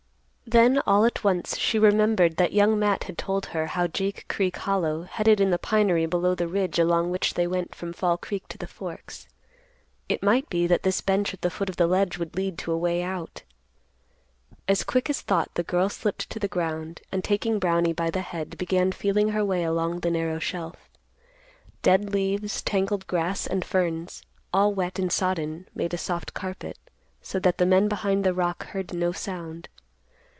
Then all at once she remembered that Young Matt had told her how Sake Creek hollow headed in the pinery below the ridge along which they went from Fall Creek to the Forks. It might be that this bench at the foot of the ledge would lead to a way out. As quick as thought the girl slipped to the ground, and taking Brownie by the head began feeling her way along the narrow shelf. Dead leaves, tangled grass and ferns, all wet and sodden, made a soft carpet, so that the men behind the rock heard no sound.